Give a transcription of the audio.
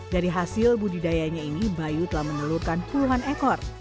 dari hasil budidayanya ini bayu telah menelurkan puluhan ekor